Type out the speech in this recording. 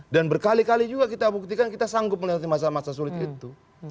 dan berkali kali juga kita buktikan kita sanggup melihat masa masa sulit itu